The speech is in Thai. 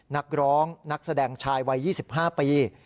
นักร้องนักแสดงชายวัย๒๕ปี